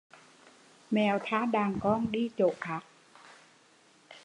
Mèo tha đàn con đi chỗ khác